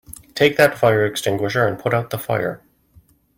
Take that fire extinguisher and put out the fire!